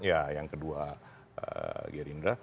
ya yang kedua gerindra